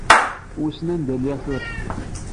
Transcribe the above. Wissen anda lliɣ tura?